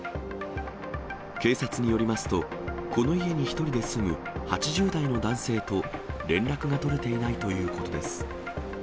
警察によりますと、この家に１人で住む８０代の男性と連絡が取れていないということです。